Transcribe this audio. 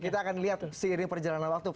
kita akan lihat seiring perjalanan waktu